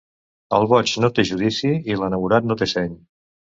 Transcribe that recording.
El boig no té judici i l'enamorat no té seny.